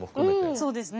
そうですね。